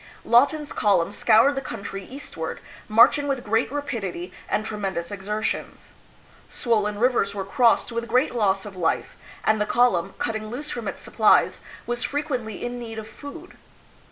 Lawton's column scoured the country eastward, marching with great rapidity and tremendous exertions. Swollen rivers were crossed with great loss of life, and the column, cutting loose from its supplies, was frequently in need of food.